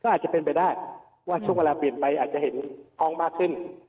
อาจจะเป็นไปได้ว่าช่วงเวลาเปลี่ยนไปอาจจะเห็นท้องมากขึ้น